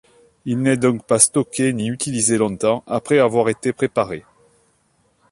Il n'est donc pas stocké ni utilisé longtemps après avoir été préparé.